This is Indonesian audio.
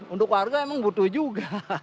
untuk warga emang butuh juga